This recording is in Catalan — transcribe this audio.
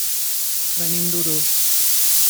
Venim d'Urús.